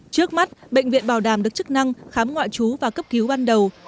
trước mắt bệnh viện bảo đảm được chức năng khám ngoại trú và cấp cứu ban đầu